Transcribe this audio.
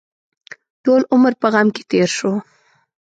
ټول عمر په غم کې تېر شو.